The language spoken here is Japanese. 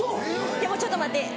でもちょっと待って。